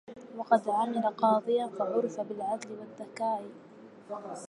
وقد عمل قاضياً فعُرف بالعدل والذكاء.